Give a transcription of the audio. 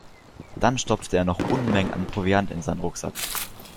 Dann stopfte er noch Unmengen an Proviant in seinen Rucksack.